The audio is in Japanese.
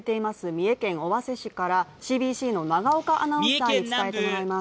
三重県尾鷲市からＣＢＣの永岡アナウンサーに伝えてもらいます。